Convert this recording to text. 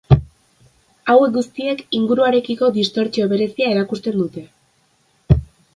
Hauek guztiek inguruarekiko distortsio berezia erakusten dute.